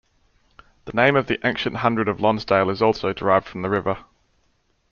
The name of the ancient hundred of Lonsdale is also derived from the river.